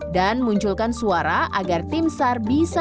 dan munculkan suara agar timsar bisa